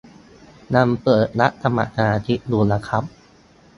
ยังรับสมัครสมาชิกอยู่นะครับ